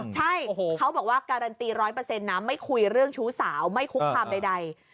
ใช่เขาบอกว่าการันตี๑๐๐นะไม่คุยเรื่องชู้สาวไม่คุกคามใด